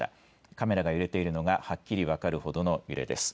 カメラが揺れているのがはっきり分かるほどの揺れです。